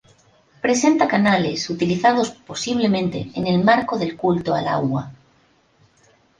Presenta canales utilizados posiblemente en el marco del culto al agua.